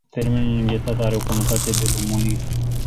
Termenul "înghețat” are o conotație de domolire.